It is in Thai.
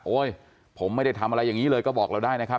ผมไม่ได้ทำอะไรอย่างนี้เลยก็บอกเราได้นะครับ